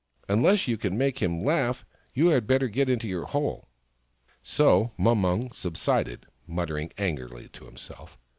Unless you can make him laugh, you had better get into your hole !" So Mumung subsided, muttering angrily to himself.